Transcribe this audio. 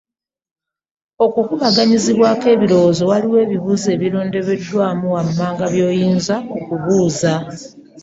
Okukubaganyaako ebirowoozo waliwo ebibuuzo ebirondobeddwamu wammanga by’oyinza okubuuza.